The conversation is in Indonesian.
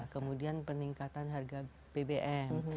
kemudian peningkatan harga bbm